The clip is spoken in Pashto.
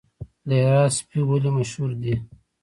د هرات سپي ولې مشهور دي؟